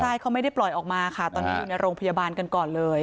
ใช่เขาไม่ได้ปล่อยออกมาค่ะตอนนี้อยู่ในโรงพยาบาลกันก่อนเลย